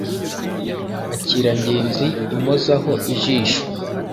akira ngenzi impozaho ijisho